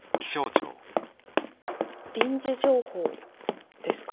臨時情報ですか？